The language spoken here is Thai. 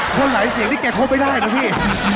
หลายเสียงนี่แกคบไม่ได้นะพี่